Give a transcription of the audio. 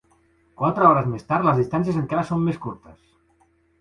Quatre hores més tard les distàncies encara són més curtes.